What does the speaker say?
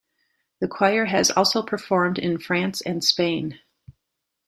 The choir has also performed in France and Spain.